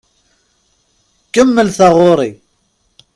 Kemmel taɣuṛi!